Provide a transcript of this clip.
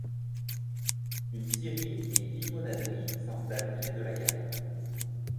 Une scierie et une limonaderie s'installent près de la gare.